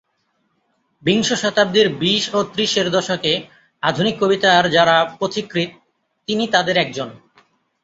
বিংশ শতাব্দীর বিশ ও ত্রিশের দশকে আধুনিক কবিতার যারা পথিকৃৎ তিনি তাদের একজন।